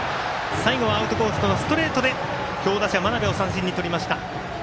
最後はアウトコースのストレートで強打者真鍋を三振にとりました。